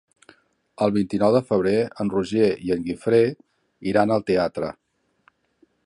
El vint-i-nou de febrer en Roger i en Guifré iran al teatre.